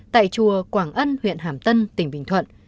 tại chùa quảng ân huyện hàm tân tỉnh bình thuận